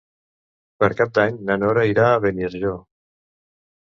Per Cap d'Any na Nora irà a Beniarjó.